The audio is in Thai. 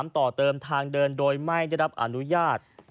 ต่อเติมทางเดินโดยไม่ได้รับอนุญาต